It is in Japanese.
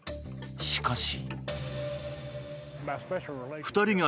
しかし。